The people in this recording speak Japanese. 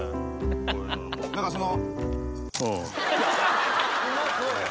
何かその。